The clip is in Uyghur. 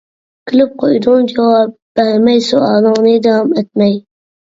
كۈلۈپ قويدۇڭ جاۋاب بەرمەي، سوئالىڭنى داۋام ئەتمەي.